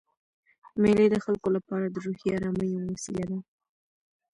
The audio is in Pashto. مېلې د خلکو له پاره د روحي آرامۍ یوه وسیله ده.